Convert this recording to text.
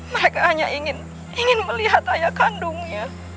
mereka hanya ingin melihat ayah kandungnya